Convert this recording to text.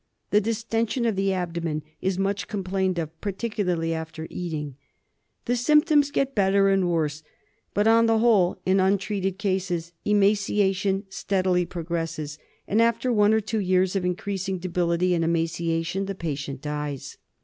The distension of the abdomen is much complained of, particularly after eating. The symptoms get better and worse ; but on the whole in untreated cases emaciation Steadily progresses, and SPRUE. 207 after one or more years of increasing debility and emaciation the patient dies.